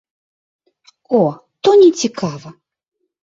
О, то не цікава.